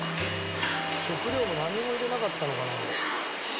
「食料もなんにも入れなかったのかな」